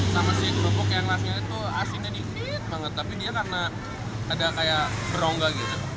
sama si kerupuk yang khasnya itu asinnya dikit banget tapi dia karena ada kayak berongga gitu